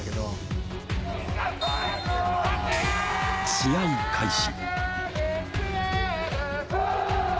試合開始。